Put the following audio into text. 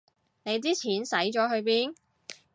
你啲錢使咗去邊